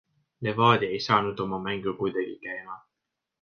Levadia ei saanud oma mängu kuidagi käima.